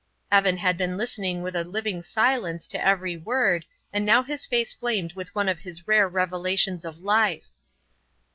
MacIan had been listening with a living silence to every word, and now his face flamed with one of his rare revelations of life.